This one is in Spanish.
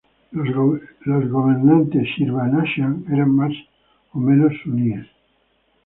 Los gobernantes Shirvanshah eran más o menos Suníes.